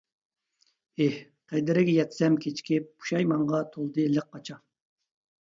ئېھ، قەدرىگە يەتسەم كېچىكىپ، پۇشايمانغا تولدى لىق قاچا.